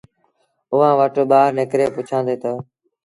اُئآݩٚ وٽ ٻآهر نڪري پُڇيآندي تا